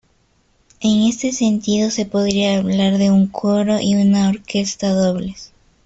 En este sentido se podría hablar de un coro y una orquesta dobles.